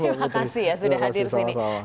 terima kasih ya sudah hadir di sini